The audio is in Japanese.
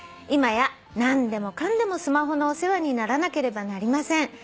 今や何でもかんでもスマホのお世話にならなければなりません」